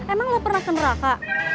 emang lo pernah ke neraka